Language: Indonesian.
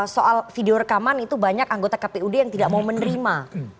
soal video rekaman itu banyak anggota kpud yang tidak mau menerima